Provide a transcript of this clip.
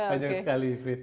banyak sekali frid